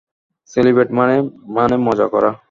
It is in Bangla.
সেলিব্রেট মানে-- মানে মজা করা?